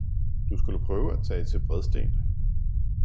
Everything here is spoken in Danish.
Du skulle prøve at tage til Bredsten